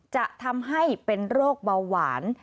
จะทำให้เป็นโรคเบาหวาน